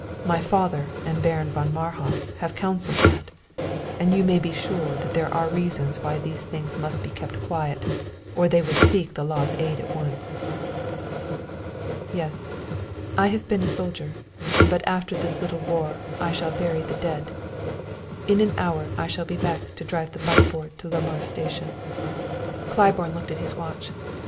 My father and Baron von Marhof have counseled that, and you may be sure there are reasons why these things must be kept quiet, or they would seek the law's aid at once." "Yes; I have been a soldier; but after this little war I shall bury the dead. In an hour I shall be back to drive the buckboard to Lamar station." Claiborne looked at his watch.